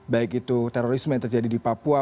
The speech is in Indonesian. baik itu terorisme yang terjadi di papua